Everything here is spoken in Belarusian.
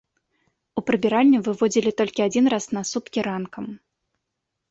У прыбіральню выводзілі толькі адзін раз на суткі ранкам.